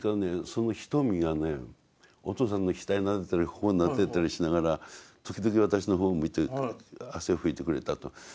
その瞳がねお父さんの額なでたり頬なでたりしながら時々私の方を向いて汗を拭いてくれたと。